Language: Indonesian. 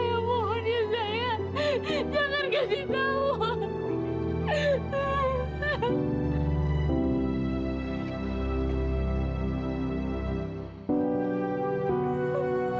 jangan kasih tahu